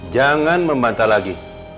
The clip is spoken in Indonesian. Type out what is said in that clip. jangan membantah lagi